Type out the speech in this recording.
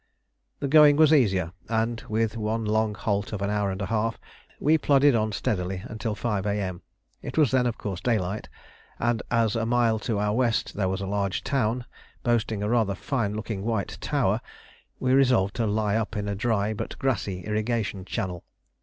The going was easier, and with one long halt of an hour and a half we plodded on steadily until 5 A.M. It was then, of course, daylight; and as a mile to our west there was a large town, boasting a rather fine looking white tower, we resolved to lie up in a dry but grassy irrigation channel.